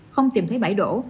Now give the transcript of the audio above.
không tìm thấy bãi đổ